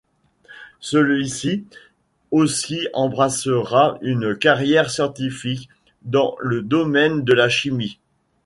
Celui-ci aussi embrassera une carrière scientifique, dans le domaine de la chimie.